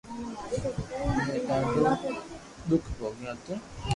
اووي ڌاڌو دوک ڀوگيو ھتو